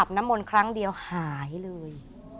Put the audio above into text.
มนตร์ครั้งเดียวหายเลย